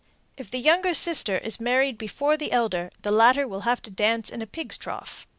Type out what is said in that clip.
If the younger sister is married before the elder, the latter will have to dance in a pig's trough.